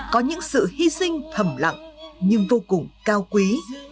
có những sự hy sinh thầm lặng nhưng vô cùng cao quý